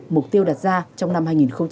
mục tiêu đặt ra trong năm hai nghìn hai mươi